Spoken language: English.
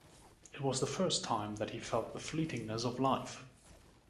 It was the first time that he felt the fleetingness of life.